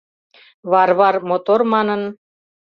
Варвар мотор манын